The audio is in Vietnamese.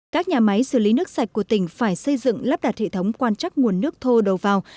các nhà máy xử lý nước sạch của tỉnh phải xây dựng lắp đặt hệ thống quan trắc nguồn nước thô đầu vào